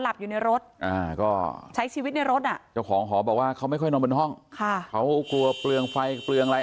อยู่ในรถอ่าก็ใช้ชีวิตในรถอ่ะเจ้าของหอบอกว่าเขาไม่ค่อยนอนบนห้องค่ะเขากลัวเปลืองไฟเปลืองอะไร